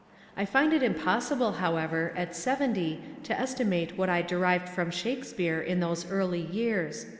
I find it impossible, however, at seventy to estimate what I derived from Shakespeare in those early years.